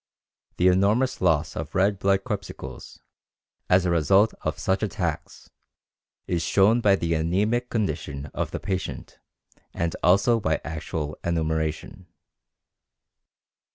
The enormous loss of red blood corpuscles as a result of such attacks is shown by the anæmic condition of the patient and also by actual enumeration.